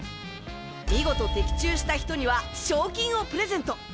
見事的中した人には、賞金をプレゼント。